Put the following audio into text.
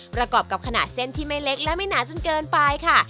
ประกอบกับขนาดเส้นที่ไม่เล็กและไม่หนาจนเกินไปค่ะ